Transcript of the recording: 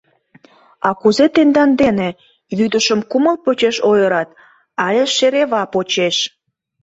А кузе тендан дене — вӱдышым кумыл почеш ойырат, але шерева почеш?